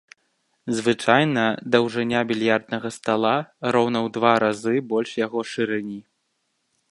Звычайна даўжыня більярднага стала роўна ў два разы больш яго шырыні.